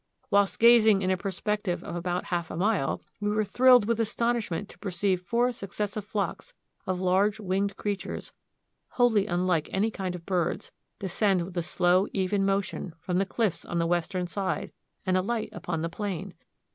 "Whilst gazing in a perspective of about half a mile, we were thrilled with astonishment to perceive four successive flocks of large winged creatures, wholly unlike any kind of birds, descend with a slow, even motion from the cliffs on the western side, and alight upon the plain....